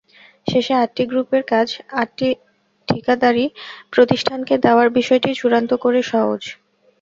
শেষে আটটি গ্রুপের কাজ আটটি ঠিকাদারি প্রতিষ্ঠানকে দেওয়ার বিষয়টি চূড়ান্ত করে সওজ।